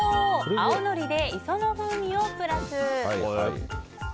青のりで磯の風味をプラス！